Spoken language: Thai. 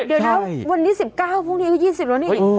เดี๋ยวนะวันที่๑๙พรุ่งนี้ก็๒๐แล้วนี่